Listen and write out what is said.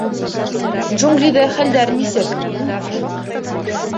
— Джунглиҙа хәлдәр нисек?